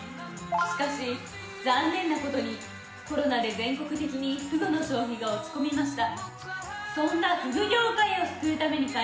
しかし残念なことにコロナで全国的にふぐの消費が落ち込みました。